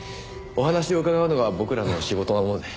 お話を伺うのが僕らの仕事なもので。